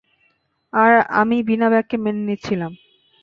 আর আমি বিনা বাক্যে মেনে নিচ্ছিলাম।